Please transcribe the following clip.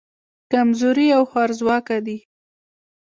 کمزوري او خوارځواکه دي.